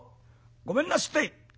ごめんなすって」。